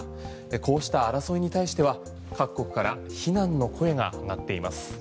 こうした争いに対しては各国から非難の声が上がっています。